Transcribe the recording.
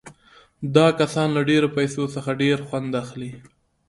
دا کسان له ډېرو پیسو څخه ډېر خوند اخلي